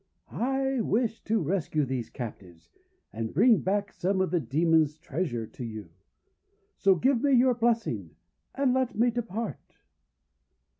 I wish to rescue these captives and bring back some of the Demons' treasure to you. So give me your blessing, and let me depart."